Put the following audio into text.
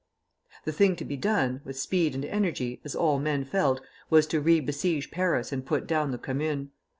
The thing to be done, with speed and energy, as all men felt, was to re besiege Paris and put down the Commune.